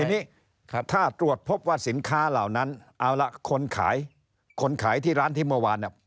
ทีนี้ถ้าตรวจพบว่าสินค้าเหล่านั้นคนขายที่ร้านที่เมื่อวาน